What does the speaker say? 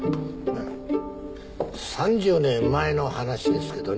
３０年前の話ですけどね。